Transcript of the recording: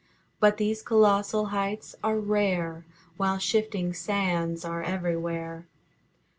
But these colossal heights are rare, While shifting sands are everywhere.